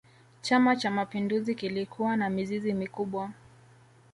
chama cha mapinduzi kilikuwa na mizizi mikubwa